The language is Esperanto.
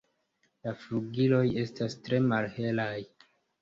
La flugiloj estas tre malhelaj.